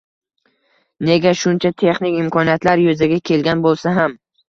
Nega, shuncha texnik imkoniyatlar yuzaga kelgan bo‘lsa ham